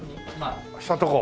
したとこ？